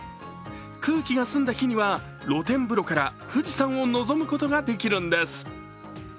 空気が澄んだ日には露天風呂から富士山を望むことができるんです。